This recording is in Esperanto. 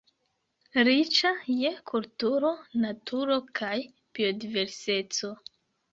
Riĉa je kulturo, naturo kaj biodiverseco.